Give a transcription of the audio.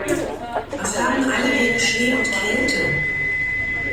Was haben alle gegen Schnee und Kälte?